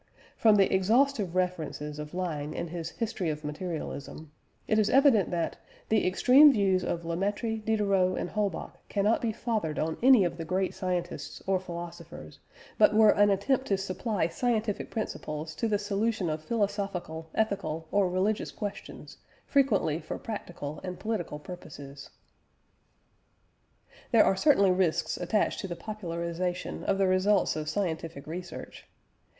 From the exhaustive references of Lange in his History of Materialism (Engl. Trans., Vol. II, pp. 49 123), it is evident that "the extreme views of La Mettrie, Diderot, and Holbach cannot be fathered on any of the great scientists or philosophers, but were an attempt to supply scientific principles to the solution of philosophical, ethical, or religious questions, frequently for practical and political purposes." There are certainly risks attached to the popularisation of the results of scientific research.